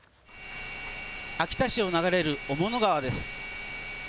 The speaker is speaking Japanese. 秋田市を流れる雄物川です。